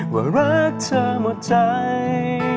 ว่ารักเธอหมดใจ